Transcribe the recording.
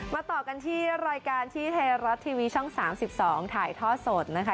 ต่อกันที่รายการที่ไทยรัฐทีวีช่อง๓๒ถ่ายท่อสดนะคะ